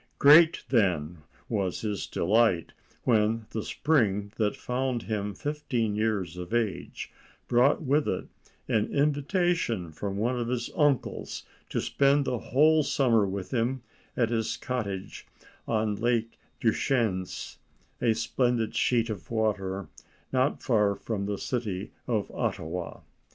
Great, then, was his delight when the spring that found him fifteen years of age brought with it an invitation from one of his uncles to spend the whole summer with him at his cottage on Lake Deschenes, a splendid sheet of water not far from the city of Ottawa.